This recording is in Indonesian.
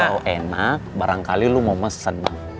kalau enak barangkali lo mau mesen bang